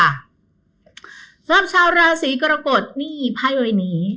สำหรับชาวราศีกรโกรธนี่ภาพประเมนินี้